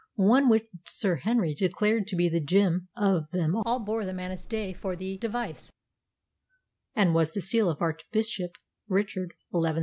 One which Sir Henry declared to be the gem of them all bore the manus Dei for device, and was the seal of Archbishop Richard (1174 84).